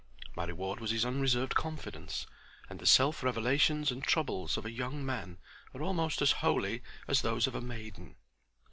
My reward was his unreserved confidence, and the self revelations and troubles of a young man are almost as holy as those of a maiden.